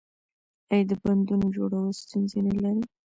آیا د بندونو جوړول ستونزې نلري؟